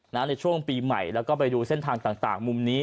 ในช่วงปีใหม่แล้วก็ไปดูเส้นทางต่างมุมนี้